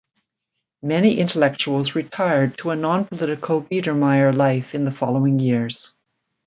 Many intellectuals retired to a non-political Biedermeier life in the following years.